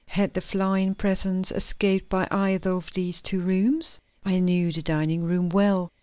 Had the flying presence escaped by either of these two rooms? I knew the dining room well.